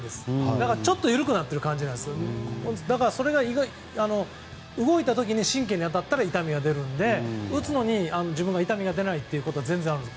だから、ちょっと緩くなっている感じでそれが動いた時に神経に当たると痛みが出るので打つのに自分が痛みが出ないことは全然あるんです。